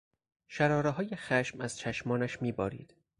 شرارههای خشم از چشمانش می بارید.